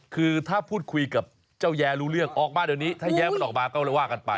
คือถ้าพูดคุยกับเจ้าแย้รู้เรื่องออกมาเดี๋ยวนี้ถ้าแย้มันออกมาก็เลยว่ากันไป